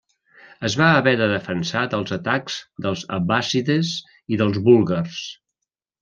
Es va haver de defensar dels atacs dels abbàssides i dels búlgars.